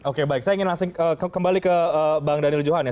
oke baik saya ingin langsung kembali ke bang daniel johan ya